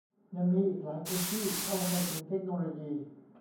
ยังมีอีกหลายคนที่เข้าไม่ถึงเทคโนโลยี